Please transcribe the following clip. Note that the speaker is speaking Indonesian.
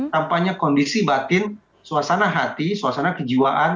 tampaknya kondisi batin suasana hati suasana kejiwaan